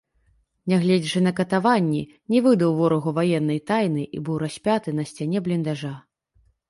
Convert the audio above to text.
Нягледзячы на катаванні, не выдаў ворагу ваеннай тайны і быў распяты на сцяне бліндажа.